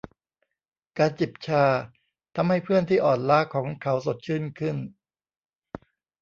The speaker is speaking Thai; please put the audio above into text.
การจิบชาทำให้เพื่อนที่อ่อนล้าของเขาสดชื่นขึ้น